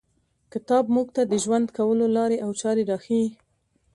کتاب موږ ته د ژوند کولو لاري او چاري راښیي.